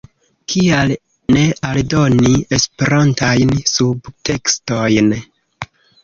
Kial ne aldoni Esperantajn subtekstojn?